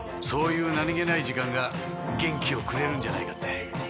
そういう何げない時間が元気をくれるんじゃないかって。